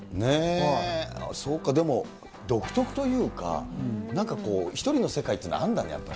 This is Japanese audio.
そうか、でも、独特というか、なんかこう、１人の世界っていうのがあんだね、やっぱり。